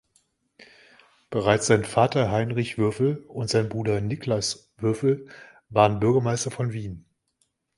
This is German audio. Bereits sein Vater Heinrich Würfel und sein Bruder Niklas Würfel waren Bürgermeister von Wien.